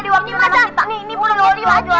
wah aduh aduh aduh